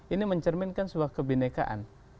ini mencerminkan sebuah kebenekaan